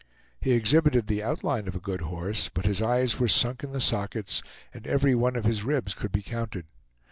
He exhibited the outline of a good horse, but his eyes were sunk in the sockets, and every one of his ribs could be counted.